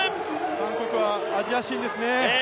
韓国はアジア新ですね。